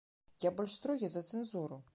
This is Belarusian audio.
Я больш строгі за цэнзуру.